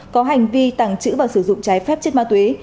có hành vi tàng trữ và sử dụng trái phép chất ma túy